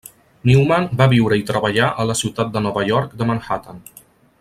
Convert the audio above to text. Newman va viure i treballar a la Ciutat de Nova York de Manhattan.